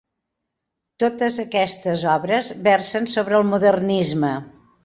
Totes aquestes obres versen sobre el modernisme.